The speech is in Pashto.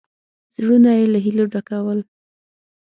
زړونه یې له هیلو ډکول.